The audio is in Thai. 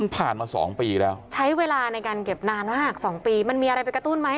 ผ่านมา๒ปีแล้วใช้เวลาในการเก็บนานมาก๒ปีมันมีอะไรไปกระตุ้นไหม